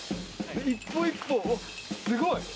１歩１歩、すごい。